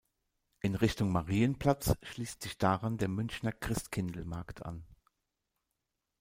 In Richtung Marienplatz schließt sich daran der Münchner Christkindlmarkt an.